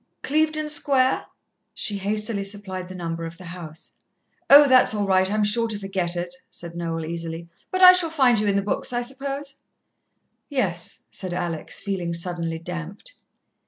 "Clevedon Square " She hastily supplied the number of the house. "Oh, that's all right. I'm sure to forget it," said Noel easily; "but I shall find you in the books, I suppose." "Yes," said Alex, feeling suddenly damped.